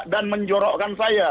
dan menjorokkan saya